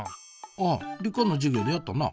あっ理科の授業でやったな。